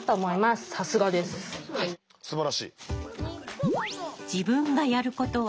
すばらしい。